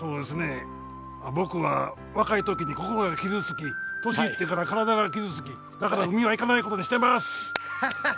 僕は、若い時に心が傷つき年いってから体が傷つきだから海は行かないことにしてます！